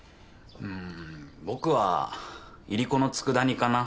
うん僕はいりこの佃煮かな。